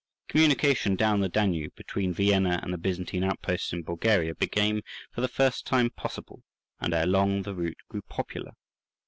Communication down the Danube, between Vienna and the Byzantine outposts in Bulgaria, became for the first time possible, and ere long the route grew popular.